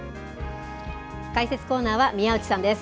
解説コーナーは、宮内さんです。